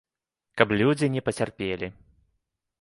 Каб людзі не пацярпелі.